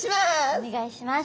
お願いします。